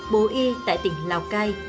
bố y tại tỉnh lào cai